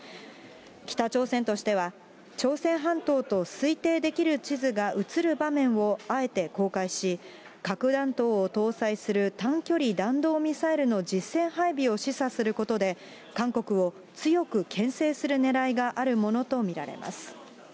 北朝鮮としては、朝鮮半島と推定できる地図が映る場面をあえて公開し、核弾頭を搭載する短距離弾道ミサイルの実戦配備を示唆することで、韓国を強くけん制するねらいがあるものと見られます。